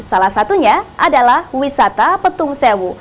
salah satunya adalah wisata petung sewu